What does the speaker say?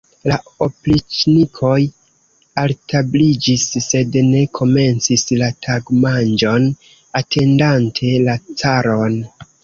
La opriĉnikoj altabliĝis, sed ne komencis la tagmanĝon, atendante la caron.